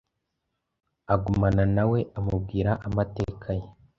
agumana na we Amubwira amateka ye